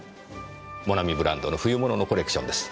モナミブランドの冬物のコレクションです。